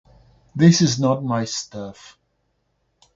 This is not my stuff